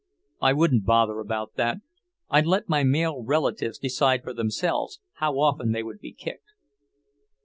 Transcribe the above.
"I wouldn't bother about that. I'd let my male relatives decide for themselves how often they would be kicked."